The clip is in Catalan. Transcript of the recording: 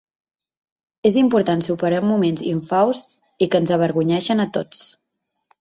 És important superar moments infausts i que ens avergonyeixen a tots.